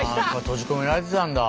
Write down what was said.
閉じ込められてたんだ。